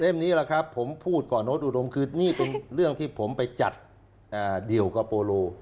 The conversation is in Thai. นี้แหละครับผมพูดก่อนโน้ตอุดมคือนี่เป็นเรื่องที่ผมไปจัดเดี่ยวกับโปโล